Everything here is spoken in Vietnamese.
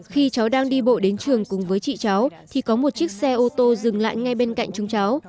khi cháu đang đi bộ đến trường cùng với chị cháu thì có một chiếc xe ô tô dừng lại ngay bên cạnh chúng cháu